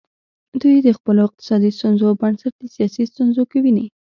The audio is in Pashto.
دوی د خپلو اقتصادي ستونزو بنسټ د سیاسي ستونزو کې ویني.